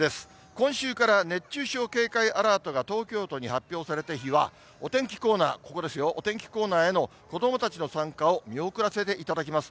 今週から熱中症警戒アラートが東京都に発表された日は、お天気コーナー、ここですよ、お天気コーナーへの子どもたちの参加を見送らせていただきます。